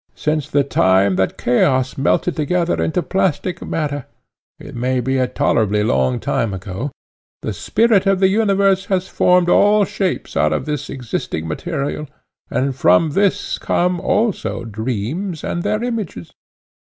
Since the time that Chaos melted together into plastic matter, it may be a tolerably long time ago, the spirit of the universe has formed all shapes out of this existing material, and from this come also dreams and their images.